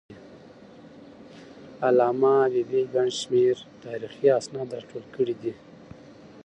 علامه حبيبي ګڼ شمېر تاریخي اسناد راټول کړي دي.